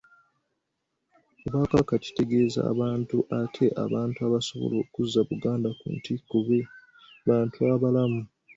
Obwakabaka kitegeeza bantu ate abantu abasobola okuzza Buganda ku ntikko be bantu abalamu.